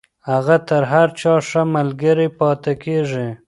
هغه تر هر چا ښه ملگرې پاتې کېږي.